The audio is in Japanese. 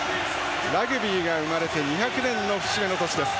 ラグビーが生まれて２００年の節目の年です。